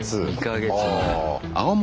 ２か月前。